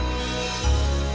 maksud mila makasih ma